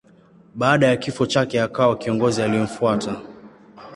Baada ya kifo chake akawa kiongozi aliyemfuata.